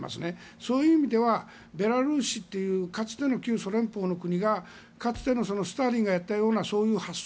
そういう意味ではベラルーシというかつての旧ソ連邦の国がかつてのスターリンがやったようなそういう発想